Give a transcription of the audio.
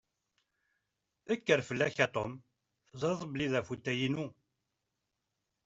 Kker fell-ak a Tom! Teẓṛiḍ belli d afutay-inu.